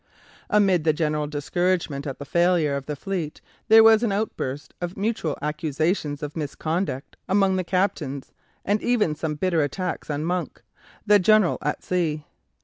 Amid the general discouragement at the failure of the fleet there was an outburst of mutual accusations of misconduct among the captains, and even some bitter attacks on Monk, the "General at Sea."